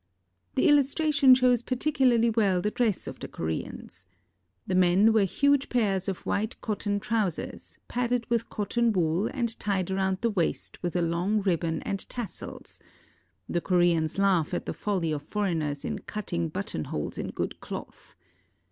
The illustration shows particularly well the dress of the Koreans. The men wear huge pairs of white cotton trousers, padded with cotton wool and tied around the waist with a long ribbon and tassels — the Koreans laugh at the folly of foreigners in cutting buttonholes in good cloth.